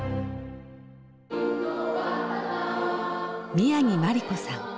宮城まり子さん。